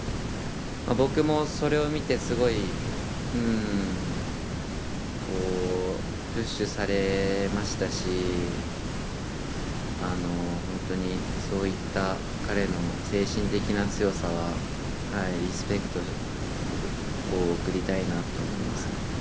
僕もそれを見てすごいプッシュされましたし本当にそういった彼の精神的な強さはリスペクトを送りたいなと思いますね。